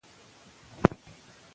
د ورزش شدت د فایبر ډول ټاکي.